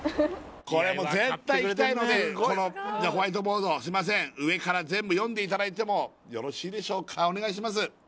これもう絶対行きたいのでこのホワイトボードすいません上から全部読んでいただいてもよろしいでしょうかお願いします